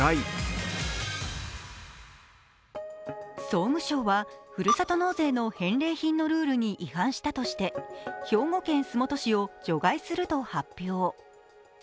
総務省は、ふるさと納税の返礼品のルールに違反したとして兵庫県洲本市を除外すると発表。